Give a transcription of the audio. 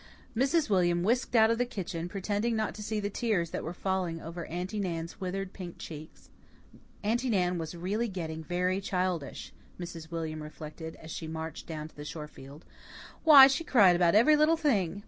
Mrs. William whisked out of the kitchen, pretending not to see the tears that were falling over Aunty Nan's withered pink cheeks. Aunty Nan was really getting very childish, Mrs. William reflected, as she marched down to the shore field. Why, she cried now about every little thing!